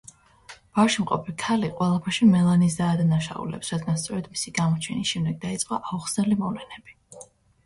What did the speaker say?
ბარში მყოფი ქალი ყველაფერში მელანის დაადანაშაულებს, რადგან სწორედ მისი გამოჩენის შემდეგ დაიწყო აუხსნელი მოვლენები.